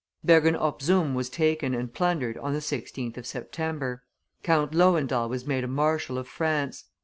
Bergen op Zoom was taken and plundered on the 16th of September. Count Lowendahl was made a marshal of France.